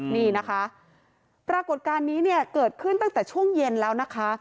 นี่นะคะปรากฏการณ์นี้เนี่ยเกิดขึ้นตั้งแต่ช่วงเย็นแล้วนะคะ